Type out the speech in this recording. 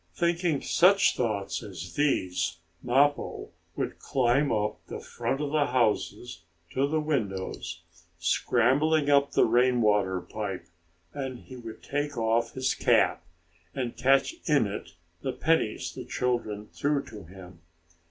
Thinking such thoughts as these, Mappo would climb up the front of the houses, to the windows, scrambling up the rain water pipe, and he would take off his cap, and catch in it the pennies the children threw to him.